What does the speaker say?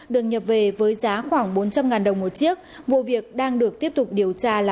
được nhập về với giá khoảng bốn trăm linh đồng một chiếc vụ việc đang được tiếp tục điều tra làm rõ xử lý